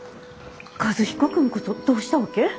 和彦君こそどうしたわけ？